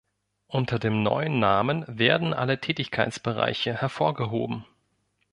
Unter dem neuen Namen werden alle Tätigkeitsbereiche hervorgehoben.